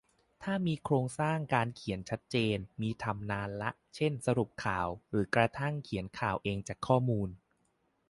ถ้ามีโครงสร้างการเขียนชัดเจนมีทำนานละ เช่น สรุปข่าว หรือกระทั่งเขียนข่าวเองจากข้อมูล